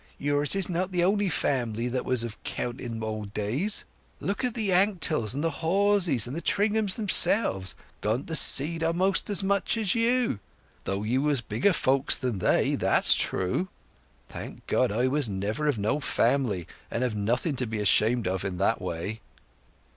"Yours is not the only family that was of 'count in wold days. Look at the Anktells, and Horseys, and the Tringhams themselves—gone to seed a'most as much as you—though you was bigger folks than they, that's true. Thank God, I was never of no family, and have nothing to be ashamed of in that way!"